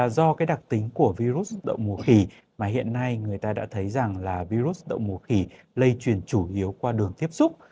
do cái đặc tính của virus động mùa khỉ mà hiện nay người ta đã thấy rằng là virus động mùa khỉ lây truyền chủ yếu qua đường tiếp xúc